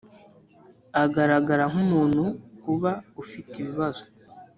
agaragara nkumuntu uba afite ibibazo